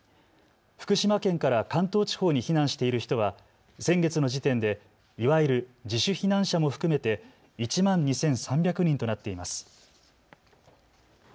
福島県から関東地方に避難している人は先月の時点でいわゆる自主避難者も含めて１万２３００人となっています。